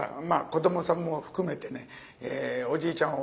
子どもさんも含めてねおじいちゃん